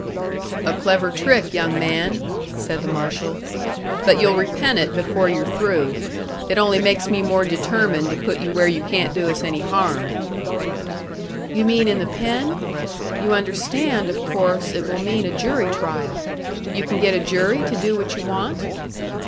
"A clever trick, young man!" said the marshal. "But you'll repent it before you're through. It only makes me more determined to put you where you can't do us any harm." "You mean in the pen? You understand, of course, it will mean a jury trial. You can get a jury to do what you want?"